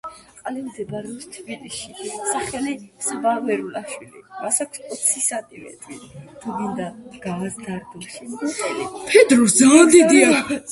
მდებარეობს ქვეყნის სამხრეთ-ცენტრალურ რეგიონში.